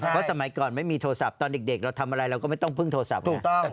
ก่อนไม่มีโทรศัพท์ตอนเด็กเราทำอะไรเราก็ไม่ต้องพึ่งโทรศัพท์นะ